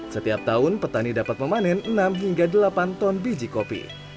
setiap tahun petani dapat memanen enam hingga delapan ton biji kopi